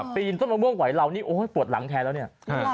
ปีนต้นมะม่วงไหวเรานี่โอ้ยปวดหลังแทนแล้วเนี่ย